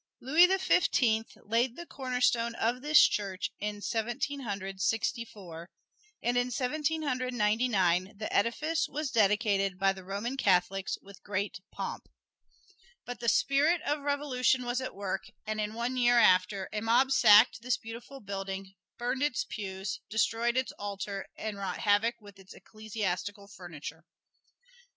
Louis the Fifteenth laid the cornerstone of this church in Seventeen Hundred Sixty four, and in Seventeen Hundred Ninety the edifice was dedicated by the Roman Catholics with great pomp. But the spirit of revolution was at work; and in one year after, a mob sacked this beautiful building, burned its pews, destroyed its altar, and wrought havoc with its ecclesiastical furniture.